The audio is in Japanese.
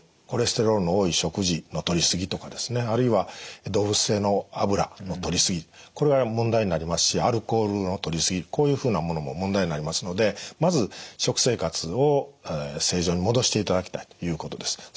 コレステロールの多い食事のとりすぎとかですねあるいは動物性の油のとりすぎこれは問題になりますしアルコールのとりすぎこういうふうなものも問題になりますのでまず食生活を正常に戻していただきたいということです。